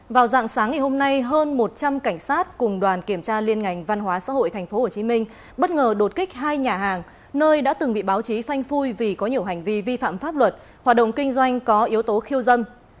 vào dạng sáng ngày hôm nay hơn một trăm linh cảnh sát cùng đoàn kiểm tra liên ngành văn hóa xã hội tp hcm bất ngờ đột kích hai nhà hàng nơi đã từng bị báo chí phanh phui vì có nhiều hành vi vi phạm pháp luật hoạt động kinh doanh có yếu tố khiêu dâm